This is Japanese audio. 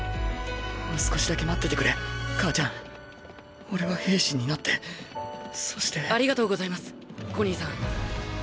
もう少しだけ待っててくれ母ちゃん俺は兵士になってそしてありがとうございますコニーさん。